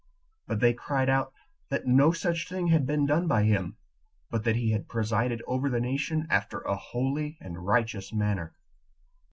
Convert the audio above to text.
But they cried out, that no such thing had been done by him, but that he had presided over the nation after a holy and righteous manner.